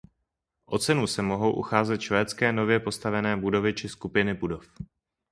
O cenu se mohou ucházet švédské nově postavené budovy či skupiny budov.